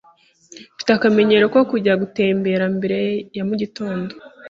Mfite akamenyero ko kujya gutembera mbere ya mugitondo.